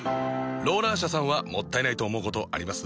ローラー車さんはもったいないと思うことあります？